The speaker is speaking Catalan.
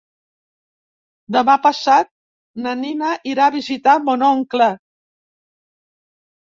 Demà passat na Nina irà a visitar mon oncle.